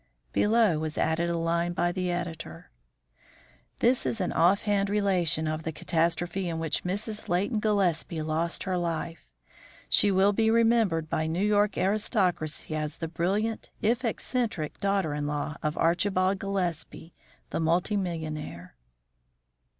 Below was added a line by the editor: This is an offhand relation of the catastrophe in which Mrs. Leighton Gillespie lost her life. She will be remembered by New York aristocracy as the brilliant, if eccentric, daughter in law of Archibald Gillespie, the multi millionaire.